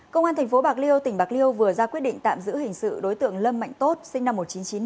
công an tp bạc liêu tỉnh bạc liêu vừa ra quyết định tạm giữ hình sự đối tượng lâm mạnh tốt sinh năm một nghìn chín trăm chín mươi